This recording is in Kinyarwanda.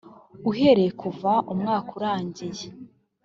uhereye kuva umwaka urangiye